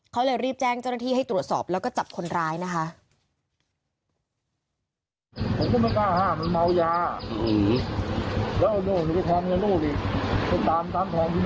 เขาเลยรีบแจ้งเจ้าหน้าที่ให้ตรวจสอบแล้วก็จับคนร้ายนะคะ